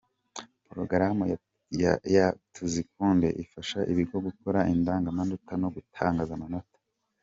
Porogaramu ya Tuzikunde ifasha ibigo gukora indangamanota no gutangaza amanota